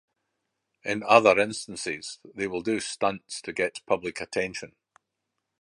In other instances, they will do stunts to get public attention.